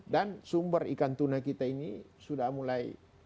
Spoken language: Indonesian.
dan sumber ikan tuna kita ini sudah mulai